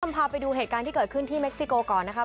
พาไปดูเหตุการณ์ที่เกิดขึ้นที่เม็กซิโกก่อนนะคะ